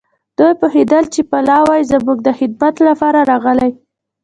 دوی پوهېدل چې پلاوی زموږ د خدمت لپاره راغلی.